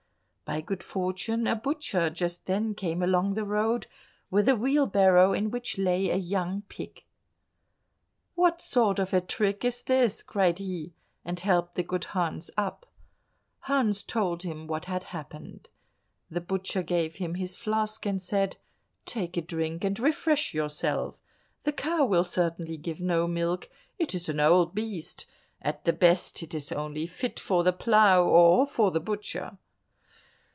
By good fortune a butcher just then came along the road with a wheel barrow, in which lay a young pig. "What sort of a trick is this?" cried he, and helped the good Hans up. Hans told him what had happened. The butcher gave him his flask and said, "Take a drink and refresh yourself. The cow will certainly give no milk, it is an old beast; at the best it is only fit for the plough, or for the butcher."